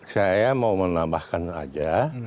saya mau menambahkan saja